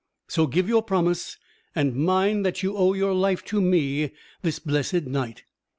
So give your promise, and mind that you owe your life to me this blessed night."